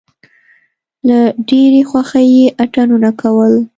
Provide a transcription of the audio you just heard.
له ډېرې خوښۍ یې اتڼونه کول.